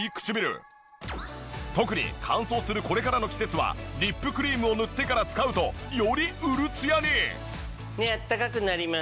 特に乾燥するこれからの季節はリップクリームを塗ってから使うとよりウルツヤに！